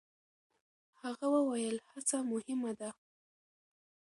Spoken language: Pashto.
هغه وویل، هڅه مهمه ده.